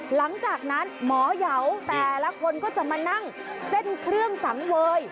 หลังจากนั้นหมอยาวแต่ละคนก็จะมานั่งเส้นเครื่องสังเวย